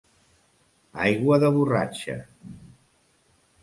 Aigua de borratja.